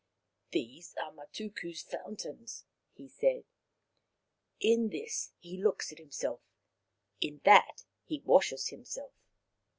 " These are Matuku's fountains," he said. " In this he looks at him self ; in that he washes himself.